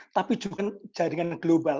tapi juga jaringan global